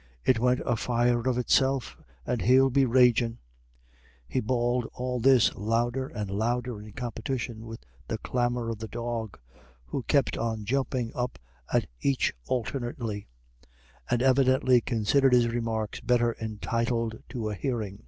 It went afire of itself. And he'll be ragin'." He bawled all this louder and louder in competition with the clamour of the dog, who kept on jumping up at each alternately, and evidently considered his remarks better entitled to a hearing.